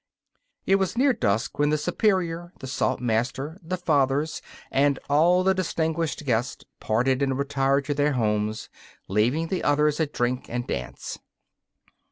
It was near dusk when the Superior, the Saltmaster, the Fathers and all the distinguished guests parted and retired to their homes, leaving the others at drink and dance.